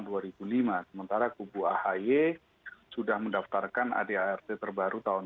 sementara kubu ahy sudah mendaftarkan adart terbaru tahun dua ribu dua puluh